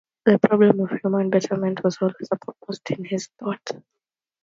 The problem of human betterment was always uppermost in his thought.